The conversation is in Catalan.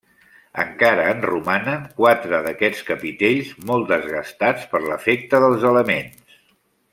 Encara en romanen quatre, d'aquests capitells, molt desgastats per l'efecte dels elements.